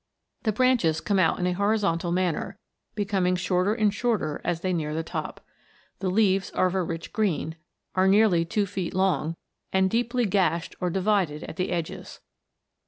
The branches come out in a horizontal manner, becoming shorter and shorter as they near the top. The leaves are of a rich green, are nearly two feet long, and deeply gashed or divided at the edges.